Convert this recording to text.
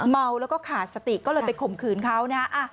เมาแล้วก็ขาดสติก็เลยไปข่มขืนเขานะฮะ